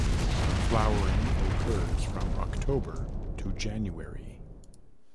Flowering occurs from October to January.